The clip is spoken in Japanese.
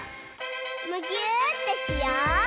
むぎゅーってしよう！